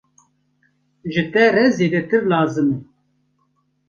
Ji te re zêdetir lazim e!